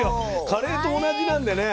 カレーと同じなんでね